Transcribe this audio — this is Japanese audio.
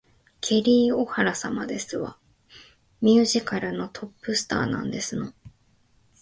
ケリー・オハラ様ですわ。ミュージカルのトップスターなんですの